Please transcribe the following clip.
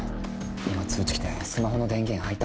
今通知来てスマホの電源入ったっぽくて。